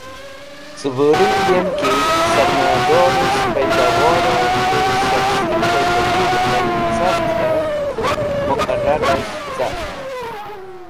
Ceburung yemki, Sarmoyadores̃h Paidowore K̃hu Shakhsi Foydagig̃h tayin certk̃he Muqarrar es̃h cart.